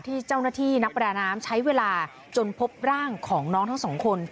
ที่เจ้าหน้าที่นักประดาน้ำใช้เวลาจนพบร่างของน้องทั้งสองคน